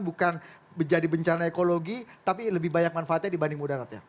bukan menjadi bencana ekologi tapi lebih banyak manfaatnya dibanding mudarat ya